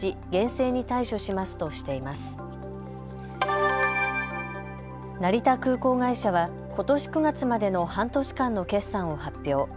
成田空港会社はことし９月までの半年間の決算を発表。